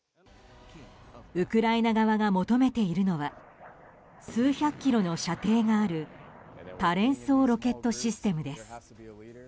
ウクライナ側が求めているのは数百キロの射程がある多連装ロケットシステムです。